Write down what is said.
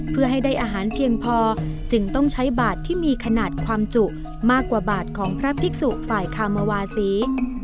เพื่อให้ได้อาหารเพียงพอจึงต้องใช้บาทที่มีขนาดความจุมากกว่าบาทของพระภิกษุฝ่ายคามวาศี